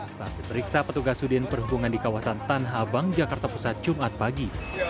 saat diperiksa petugas sudin perhubungan di kawasan tanah abang jakarta pusat jumat pagi